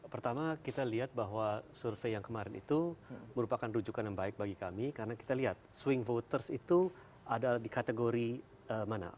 pertama kita lihat bahwa survei yang kemarin itu merupakan rujukan yang baik bagi kami karena kita lihat swing voters itu ada di kategori mana